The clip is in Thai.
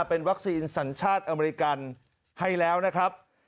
เป็นวัคซีนสัญชาติอเมริกันให้แล้วนะครับ